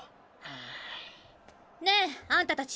・ねえあんたたち。